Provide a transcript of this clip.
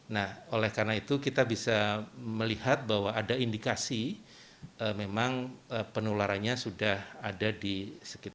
nah oleh karena itu kita bisa melihat bahwa ada indikasi memang penularannya sudah ada di sekitar